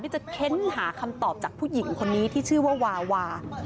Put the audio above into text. จะค้นหาคำตอบจากผู้หญิงคนนี้ที่ชื่อว่าวาวา